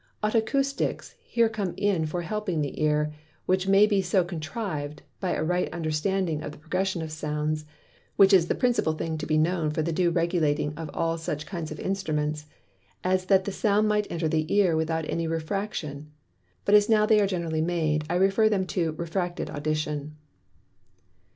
Otacousticks here come in for helping the Ear; which may be so contriv'd (by a right understanding the Progression of Sounds, which is the principal thing to be known for the due regulating all such kinds of Instruments) as that the Sound might enter the Ear without any Refraction, but as now they are generally made I refer them to Refracted Audition. 2.